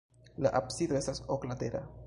La absido estas oklatera.